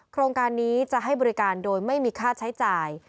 โครงการนี้จะให้บริการโดยไม่มีค่าใช้จ่าย